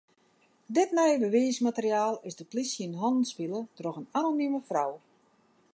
Dit nije bewiismateriaal is de plysje yn hannen spile troch in anonime frou.